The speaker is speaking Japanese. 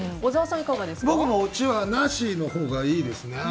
僕もオチは、なしのほうがいいですね。